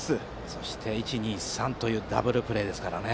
そして１、２、３というダブルプレーですからね。